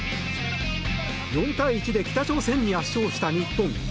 ４対１で北朝鮮に圧勝した日本。